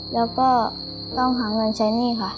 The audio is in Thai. แล้วก็ต้องหาเงินใช้หนี้ค่ะ